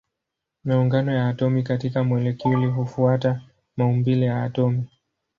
Maungano ya atomi katika molekuli hufuata maumbile ya atomi.